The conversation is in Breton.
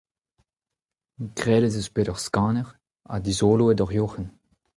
graet ez eus bet ur skanner ha dizoloet ur yoc'henn.